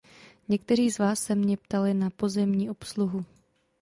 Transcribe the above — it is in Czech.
Někteří z vás se mě ptali na pozemní obsluhu.